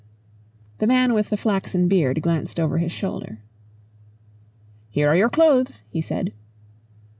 The man with the flaxen beard glanced over his shoulder. "Here are your clothes!" he said.